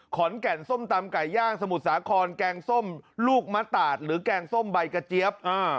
ขอนแก่นส้มตำไก่ย่างสมุทรสาครแกงส้มลูกมะตาดหรือแกงส้มใบกระเจี๊ยบ